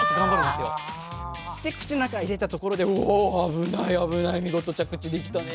で口の中へ入れたところで「お危ない危ない見事着地できたね。